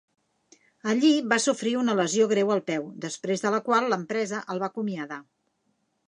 Allí va sofrir una lesió greu al peu, després de la qual l'empresa el va acomiadar.